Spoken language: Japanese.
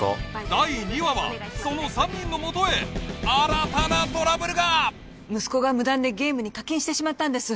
第２話はその３人のもとへ新たなトラブルが息子が無断でゲームに課金してしまったんです